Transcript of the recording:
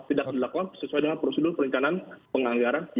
tidak dilakukan sesuai dengan prosedur perencanaan penganggaran yang tersebut